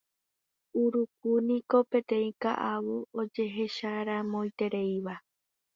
Urukúniko peteĩ ka'avo ojehecharamoitereíva